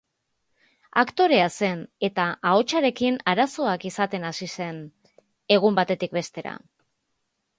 Aktorea zen, eta ahotsarekin arazoak izaten hasi zen, egun batetik bestera.